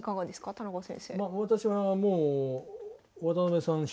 田中先生。